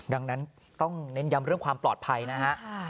ดังนั้นต้องเน้นย้ำเรื่องความปลอดภัยนะฮะ